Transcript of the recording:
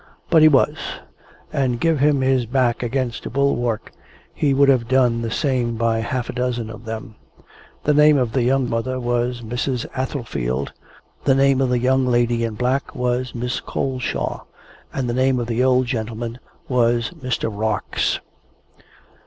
But he was; and give him his back against a bulwark, he would have done the same by half a dozen of them. The name of the young mother was Mrs. Atherfield, the name of the young lady in black was Miss Coleshaw, and the name of the old gentleman was Mr. Rarx.